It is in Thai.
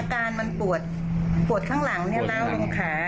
อาการมันปวดข้างหลังล้างลงขา